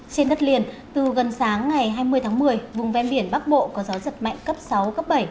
trên đất liền từ gần sáng ngày hai mươi tháng một mươi vùng ven biển bắc bộ có gió giật mạnh cấp sáu cấp bảy